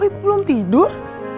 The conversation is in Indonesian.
kok ibu belum tidur